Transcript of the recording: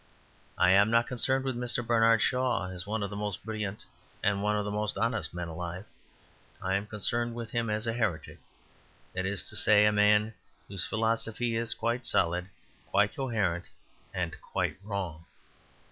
I am not concerned with Mr. Bernard Shaw as one of the most brilliant and one of the most honest men alive; I am concerned with him as a Heretic that is to say, a man whose philosophy is quite solid, quite coherent, and quite wrong.